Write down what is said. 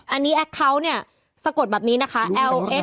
อันนี้แอคเคาน์เนี่ยสะกดแบบนี้นะคะ